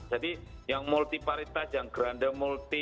jadi yang multiparitas yang granda multi